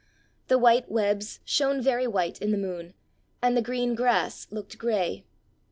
The white webs shone very white in the moon, and the green grass looked gray.